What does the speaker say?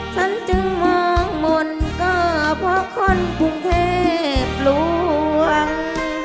ฉันจึงมองหมดก็เพราะคนภูมิเทพรวง